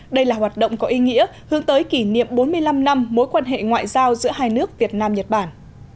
đây là hoạt động có ý nghĩa hướng tới kỷ niệm bốn mươi năm năm mối quan hệ ngoại giao giữa hai nước việt nam nhật bản